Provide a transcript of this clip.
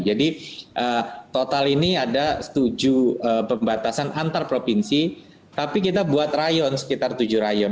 jadi total ini ada tujuh pembatasan antar provinsi tapi kita buat rayon sekitar tujuh rayon